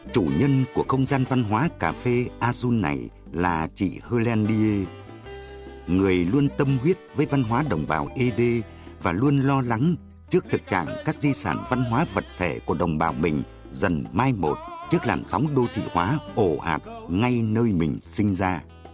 chủ nhân của không gian văn hóa cà phê azun này là chị heleni người luôn tâm huyết với văn hóa đồng bào ed và luôn lo lắng trước thực trạng các di sản văn hóa vật thể của đồng bào mình dần mai một trước làn sóng đô thị hóa ổ ạt ngay nơi mình sinh ra